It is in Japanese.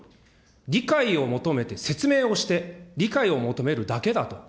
理解を求めて説明をして、理解を求めるだけだと。